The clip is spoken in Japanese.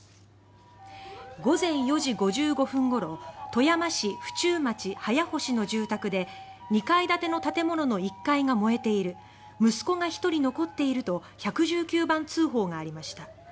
午前４時５５分ごろ富山市婦中町速星の住宅で２階建ての建物の１階が燃えている息子が１人残っていると１１９番通報がありました。